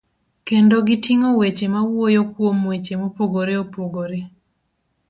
kendo giting'o weche mawuoyo kuom weche mopogore opogore.